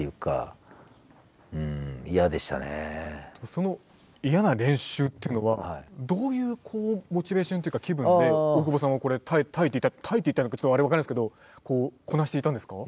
その嫌な練習っていうのはどういうモチベーションというか気分で大久保さんはこれ耐えていた耐えていたのかちょっと分からないですけどこなしていたんですか？